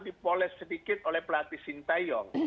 dipoles sedikit oleh pelatih sintayong